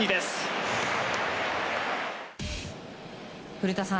古田さん